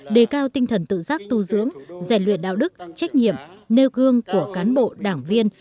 đề cao tinh thần tự giác tu dưỡng rèn luyện đạo đức trách nhiệm nêu gương của cán bộ đảng viên